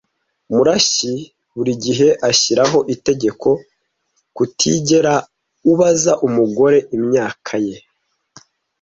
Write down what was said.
Murashyi buri gihe ashyiraho itegeko kutigera ubaza umugore imyaka ye.